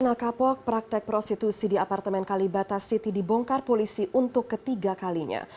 nakapok praktek prostitusi di apartemen kalibata city dibongkar polisi untuk ketiga kalinya